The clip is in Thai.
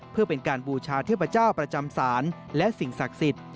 เพื่อเป็นการบูชาเทพเจ้าประจำศาลและสิ่งศักดิ์สิทธิ์